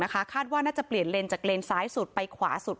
คาดว่าน่าจะเปลี่ยนเลนจากเลนซ้ายสุดไปขวาสุด